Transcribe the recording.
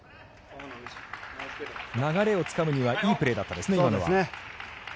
流れをつかむにはいいプレーでしたね、今のは。